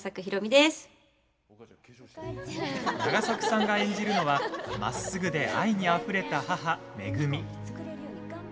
永作さんが演じるのはまっすぐで愛にあふれた母、めぐみ。